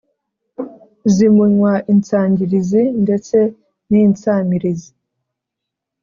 zimunywa insangirizi ndetse ninsamirizi.